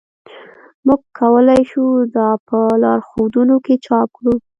موږ کولی شو دا په لارښودونو کې چاپ کړو